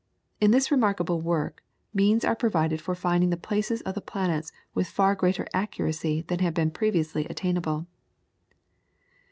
In this remarkable work means are provided for finding the places of the planets with far greater accuracy than had previously been attainable.